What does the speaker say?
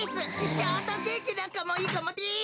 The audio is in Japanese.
ショートケーキなんかもいいかもです。